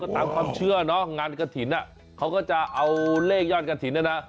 ตามความเชื่อเนาะงานกระถิ่นเขาก็จะเอาเลขยอดกระถิ่นนะนะ